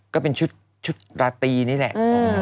ก็เป็นชุดราตรีนี่แหละ